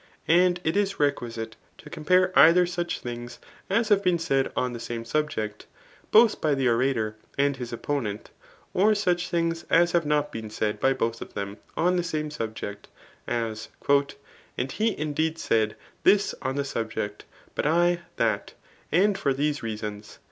And it is requisite to compare either such things as have been said on the same subject, both by the orator and his opponent j or such things as have not been said by both of them on the same subject ; as, <^ And he indeed said this on the subject, but I tkatf and for these reasons.